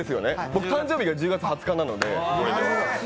僕、誕生日、１０月２０日なので。